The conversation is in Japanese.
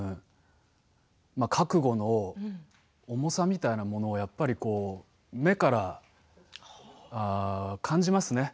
覚悟の重さみたいなものを目から感じますね